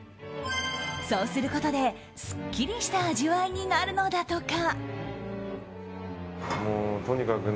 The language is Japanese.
そうすることですっきりした味わいになるのだとか。